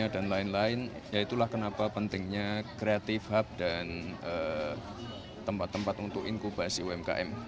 dan lain lain ya itulah kenapa pentingnya kreatif hub dan tempat tempat untuk inkubasi umkm